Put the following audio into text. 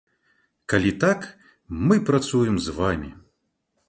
Калі так, мы працуем з вамі!